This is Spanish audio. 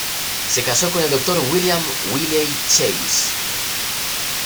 Se casó con el Dr. William Wiley Chase.